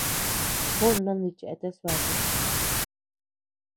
Juó nandicheateas bakus.